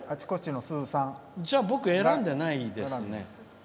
じゃあ僕、選んでないですね。